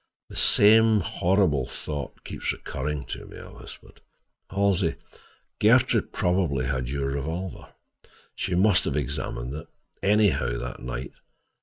"The same horrible thought keeps recurring to me," I whispered. "Halsey, Gertrude probably had your revolver: she must have examined it, anyhow, that night.